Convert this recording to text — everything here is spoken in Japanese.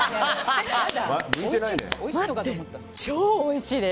待って、超おいしいです！